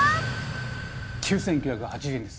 ９，９８０円です。